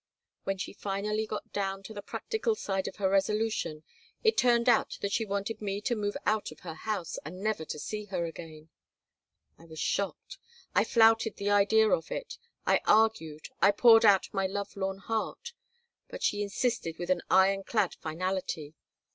When she finally got down to the practical side of her resolution it turned out that she wanted me to move out of her house and never to see her again I was shocked. I flouted the idea of it. I argued, I poured out my lovelorn heart. But she insisted with an iron clad finality.